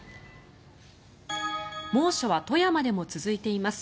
猛暑は富山でも続いています。